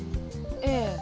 ええ。